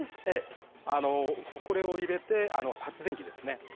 これを入れて発電機ですね